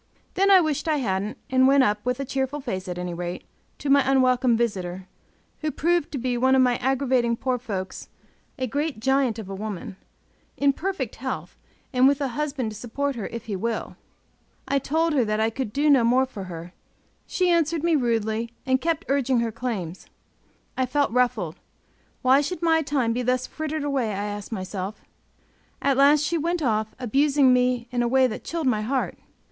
Then I wished I hadn't, and went up, with a cheerful face at any rate, to my unwelcome visitor, who proved to be one of my aggravating poor folks a great giant of a woman, in perfect health, and with a husband to support her if he will. I told her that I could do no more for her; she answered me rudely, and kept urging her claims. I felt ruffled; why should my time be thus frittered away, I asked myself. At last she went off, abusing me in a way that chilled my heart.